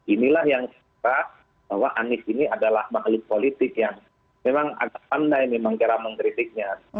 ini lah yang sempat bahwa anies ini adalah makhluk politik yang memang agak pandai memang kira mengkritiknya